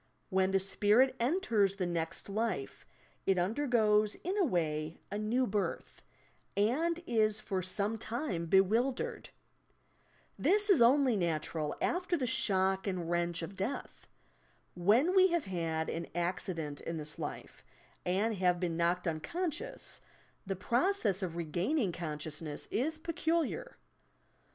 When the spirit enters the next life, it undergoes in a way a "new birth," and is for some time bewildered. This is only natural after the ■ shodt and wrench of death. When we have had an accident in this life, and have been knocked unconscious, the process of regaining consciousness is peculiar.